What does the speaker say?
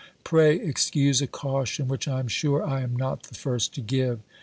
Pray excuse a caution which I am sure I am not the first to give.